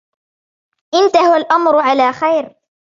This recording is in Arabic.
إنتهى الأمر على خير.